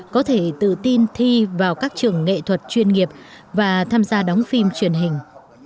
có thể tự tin thi vào các trường nghệ thuật chuyên nghiệp và tham gia đóng phim truyền hình